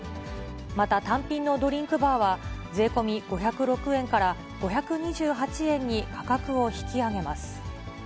また単品のドリンクバーは、税込み５０６円から５２８円に価格を引き上げます。